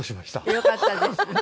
よかったです。